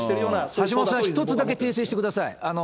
橋下さん、１つ訂正させてください。